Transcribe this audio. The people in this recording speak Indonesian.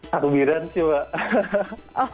takbiran sih mbak